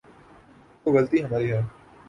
تو غلطی ہماری ہے۔